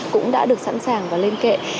cũng đã được sẵn sàng và lên kệ